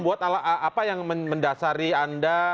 apa yang mendasari anda